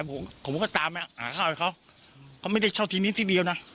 ผมผมก็ตามไปหาข้าวให้เขาเขาไม่ได้เช่าทีนี้ที่เดียวนะ